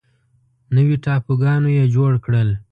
نوي ټاپوګانو یې جوړ کړل.